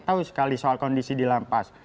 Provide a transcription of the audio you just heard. tahu sekali soal kondisi di lampas